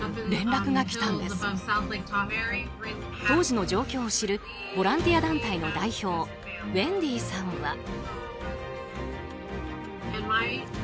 当時の状況を知るボランティア団体の代表ウェンディーさんは。